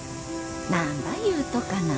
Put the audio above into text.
なんば言うとかな。